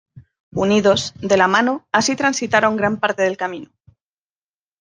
Unidos, de la mano, así transitaron gran parte del camino.